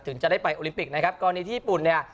จะได้ไปโอลิมปิกนะครับกรณีที่ญี่ปุ่นเนี่ย